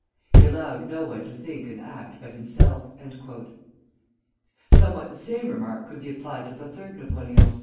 He allowed no one to think and act but himself." Somewhat the same remark could be applied to the Third Napoleon.